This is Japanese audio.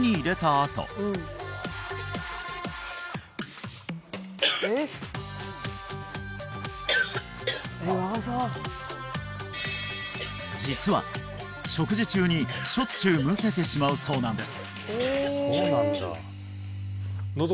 あと実は食事中にしょっちゅうむせてしまうそうなんです